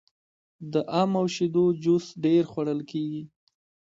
د ام او شیدو جوس ډیر خوړل کیږي.